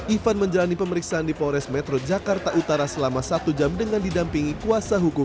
ivan menjalani pemeriksaan di polres metro jakarta utara selama satu jam dengan didampingi kuasa hukum